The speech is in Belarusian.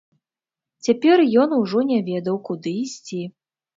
Цяпер ён ужо не ведаў, куды ісці.